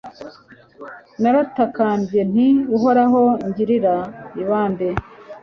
Naratakambye nti Uhoraho ngirira ibambe